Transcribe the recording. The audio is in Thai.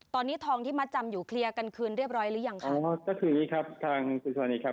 ตอนนี้ทองที่มาจำอยู่เคลียร์กันคืนเรียบร้อยหรือยังคะ